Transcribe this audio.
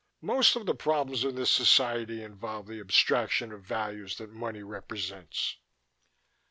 Most of the problems of this society involve the abstraction of values that money represents."